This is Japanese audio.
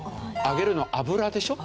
揚げるの油でしょ？